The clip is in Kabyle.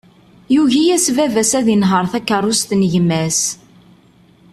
Yugi-yas baba-s ad inher takerrust n gma-s.